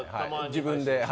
自分で。